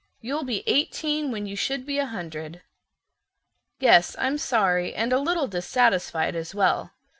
You'll be eighteen when you should be a hundred. Yes, I'm sorry, and a little dissatisfied as well.